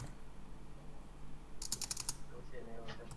কুনাল বসুর মধ্যে সবসময় মুঘল ইতিহাসের প্রতি একটি দুর্দান্ত মোহ ছিল।